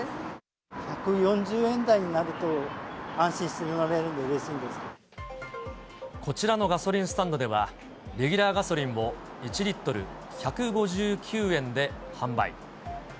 １４０円台になると、安心して乗れるんで、こちらのガソリンスタンドでは、レギュラーガソリンを１リットル１５９円で販売。